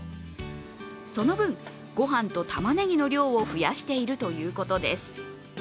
その分、ご飯とたまねぎの量を増やしているということです。